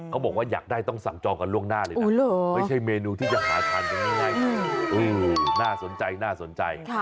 บอกว่าอยากได้ต้องสั่งจองกันล่วงหน้าเลยนะไม่ใช่เมนูที่จะหาทานกันง่ายน่าสนใจน่าสนใจ